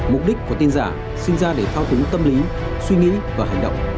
mục đích của tin giả sinh ra để thao túng tâm lý suy nghĩ và hành động